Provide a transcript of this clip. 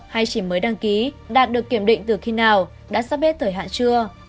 hay chỉ mới đăng ký đạt được kiểm định từ khi nào đã sắp hết thời hạn chưa